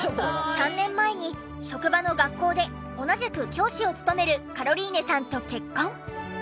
３年前に職場の学校で同じく教師を務めるカロリーネさんと結婚。